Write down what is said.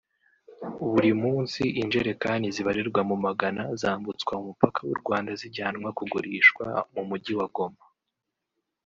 Buri munsi injerekani zibarirwa mu Magana zambutswa umupaka w’u Rwanda zijyanwa kugurishwa mu mujyi wa Goma